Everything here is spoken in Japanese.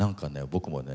僕もね